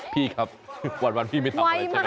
พี่ครับวันพี่ไม่ทำอะไรใช่ไหม